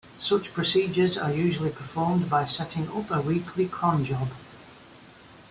Such procedures are usually performed by setting up a weekly cron job.